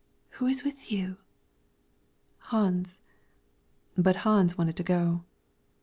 "Who is with you?" "Hans." But Hans wanted to go.